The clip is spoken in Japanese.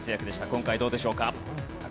今回どうでしょうか？